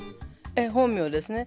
ええ本名ですね。